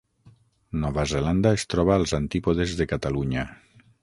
Nova Zelanda es troba als antípodes de Catalunya.